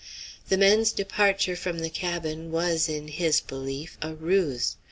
The men's departure from the cabin was, in his belief, a ruse.